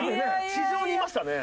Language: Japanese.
地上にいましたね。